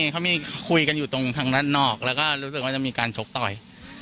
เขามีคุยกันอยู่ตรงทางด้านนอกแล้วก็รู้สึกว่าจะมีการชกต่อย